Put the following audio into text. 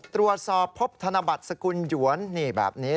ตรวจสอบพบธนบัตรสกุลหยวนนี่แบบนี้